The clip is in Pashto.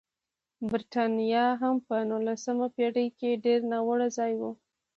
برېټانیا هم په نولسمه پېړۍ کې ډېر ناوړه ځای و.